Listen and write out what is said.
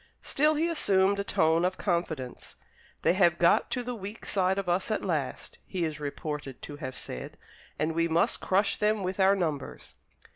Still he assumed a tone of confidence. "They have got to the weak side of us at last," he is reported to have said, "and we must crush them with our numbers."